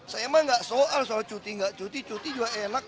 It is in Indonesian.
saya emang nggak soal soal cuti nggak cuti cuti juga enak